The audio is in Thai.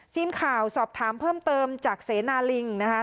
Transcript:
ทีมข่าวสอบถามเพิ่มเติมจากเสนาลิงนะคะ